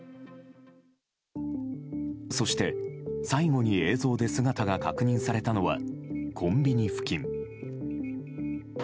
そして、最後に映像で姿が確認されたのはコンビニ付近。